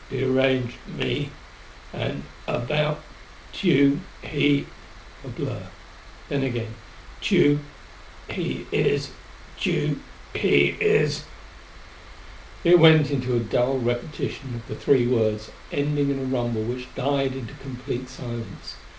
"Deranged me.... And about Tugh, he " A blur. Then again, "Tugh he is Tugh, he is " It went into a dull repetition of the three words, ending in a rumble which died into complete silence.